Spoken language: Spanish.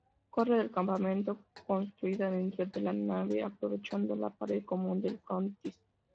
Torre del campanario construida dentro de la nave aprovechando la pared común del frontis.